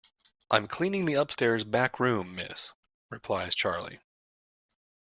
"I'm cleaning the upstairs back room, miss," replies Charley.